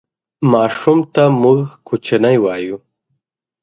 ماشوم ته موږ کوچنی وایو